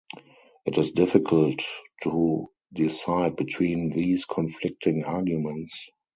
It is difficult to decide between these conflicting arguments.